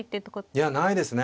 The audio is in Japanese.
いやないですね。